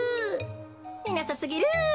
いなさすぎる。